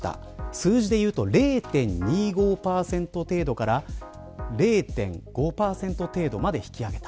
数字で言うと０．２５％程度から０．５％程度まで引き上げた。